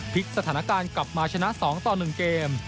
สถานการณ์กลับมาชนะ๒ต่อ๑เกม